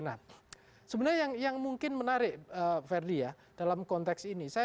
nah sebenarnya yang mungkin menarik verdi ya dalam konteks ini